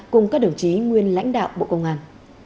cùng các đồng chí nguyên lãnh đạo bộ công an